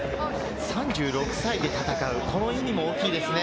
３６歳で戦う、この意味も大きいですね。